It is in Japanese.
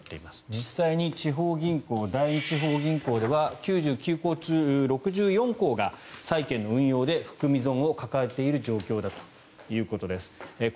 実際に地方銀行第二地銀では９６校中４４校が債券の運用で含み損を抱えている状況だということです。